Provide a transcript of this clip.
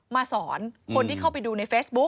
สอนคนที่เข้าไปดูในเฟซบุ๊ค